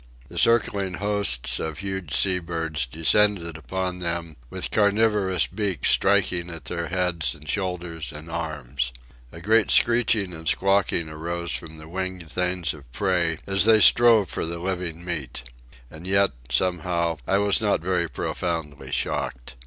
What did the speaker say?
The circling hosts of huge sea birds descended upon them, with carnivorous beaks striking at their heads and shoulders and arms. A great screeching and squawking arose from the winged things of prey as they strove for the living meat. And yet, somehow, I was not very profoundly shocked.